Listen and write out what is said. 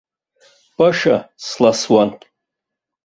Баша сласуан.